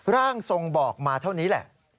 ร่างทรงบอกมาเท่านี้แหละ